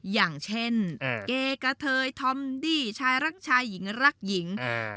อย่างเช่นเกกะเทยทอมดี้ชายรักชายหญิงรักหญิง